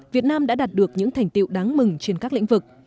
việt nam đã đạt được những thành tiệu đáng mừng trên các lĩnh vực